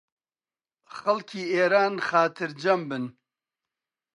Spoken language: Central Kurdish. خەڵکی ئێران خاترجەم بن